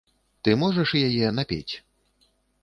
Ты можаш яе напець?